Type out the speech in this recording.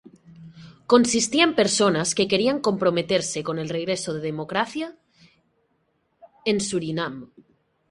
Consistía en personas que querían comprometerse con el regreso de democracia en Surinam.